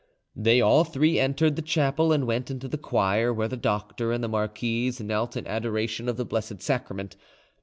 They all three entered the chapel and went into the choir, where the doctor and the marquise knelt in adoration of the Blessed Sacrament.